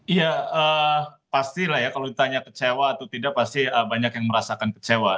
iya pastilah ya kalau ditanya kecewa atau tidak pasti banyak yang merasakan kecewa